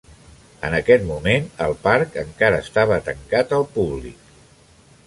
En aquest moment, el parc encara estava tancat al públic.